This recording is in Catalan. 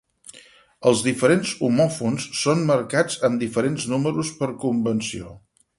Els diferents homòfons són marcats amb diferents números per convenció.